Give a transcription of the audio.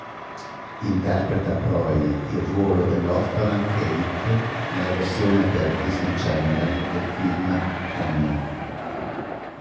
Interpreta poi il ruolo dell'orfana "Kate" nella versione per Disney Channel del film "Annie".